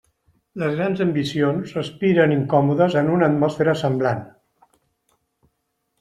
Les grans ambicions respiren incòmodes en una atmosfera semblant.